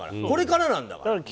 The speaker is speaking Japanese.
これからなんだから。